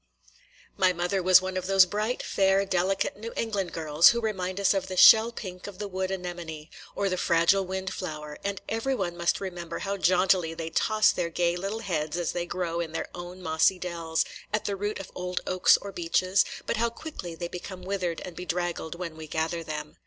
My mother was one of those bright, fair, delicate New England girls who remind us of the shell pink of the wood anemone, or the fragile wind flower; and every one must remember how jauntily they toss their gay little heads as they grow in their own mossy dells, at the root of old oaks or beeches, but how quickly they become withered and bedraggled when we gather them.